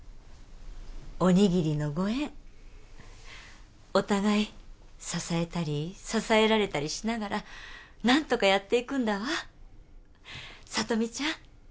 おにぎりのご縁お互い支えたり支えられたりしながら何とかやっていくんだわ聡美ちゃん